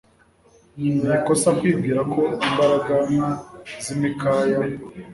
Ni ikosa kwibwira ko imbaraga zimikaya